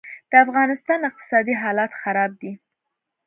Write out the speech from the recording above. دافغانستان اقتصادي حالات خراب دي